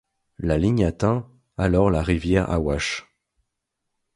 La ligne atteint alors la rivière Awash.